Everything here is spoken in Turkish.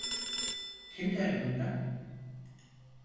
Kim tarafından?